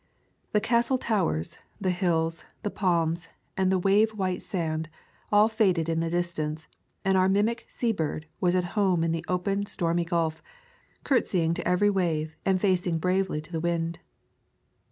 The Castle towers, the hills, the palms, and the wave white strand, all faded in the distance, and our mimic sea bird was at home in the open stormy gulf, curtsying to every wave and facing bravely to the wind.